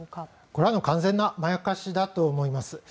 これは完全なまやかしだと思います。